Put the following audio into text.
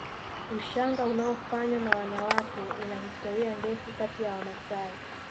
Ushanga unaofanywa na wanawake ina historia ndefu kati ya Wamasai